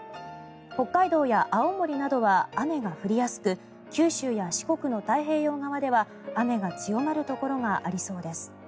北海道や青森などは雨が降りやすく九州や四国の太平洋側では雨の強まるところがありそうです。